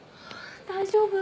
大丈夫？